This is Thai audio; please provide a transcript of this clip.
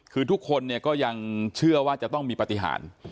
คือทุกคนเนี่ยก็ยังเชื่อว่าจะต้องมีปฏิหาร